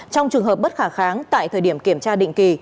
trong trường hợp bất khả kháng tại thời điểm kiểm tra định kỳ